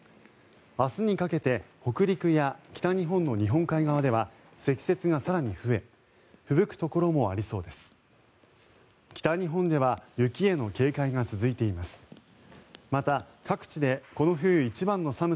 明日にかけて北陸や北日本の日本海側では積雪が更に増えふぶくところもありそうです。